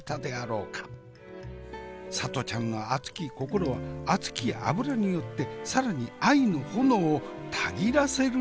里ちゃんの熱き心は熱き油によって更に愛の炎をたぎらせるのであった。